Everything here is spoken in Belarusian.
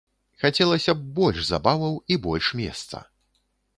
Хацелася б больш забаваў і больш месца.